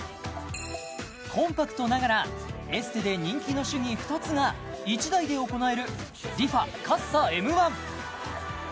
コンパクトながらエステで人気の手技ふたつが１台で行えるＲｅＦａＣＡＸＡＭ